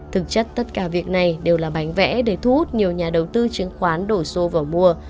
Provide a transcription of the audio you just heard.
thực chất tất cả việc này đều là bánh vẽ để thu hút nhiều nhà đầu tư chứng khoán đổ xô vào mua